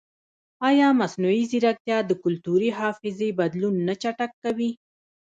ایا مصنوعي ځیرکتیا د کلتوري حافظې بدلون نه چټکوي؟